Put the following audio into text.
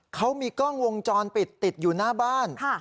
เขามีกล้องวงจรปิดติดอยู่หน้าบ้าน